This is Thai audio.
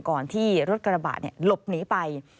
ก่อนที่รถกระบะหลบหนีไป